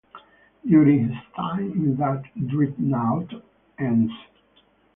During his time in that dreadnought, Ens.